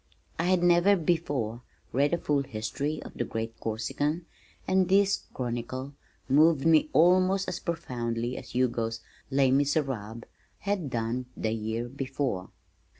I had never before read a full history of the great Corsican, and this chronicle moved me almost as profoundly as Hugo's Les Misérables had done the year before.